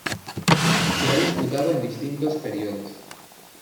Se ha disputado en distintos periodos.